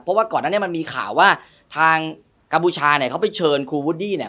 เพราะว่าก่อนนั้นเนี่ยมันมีข่าวว่าทางกัมพูชาเนี่ยเขาไปเชิญครูวูดดี้เนี่ย